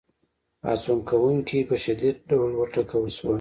پاڅون کوونکي په شدید ډول وټکول شول.